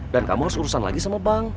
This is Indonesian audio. dan kamu harus urusan lagi sama bank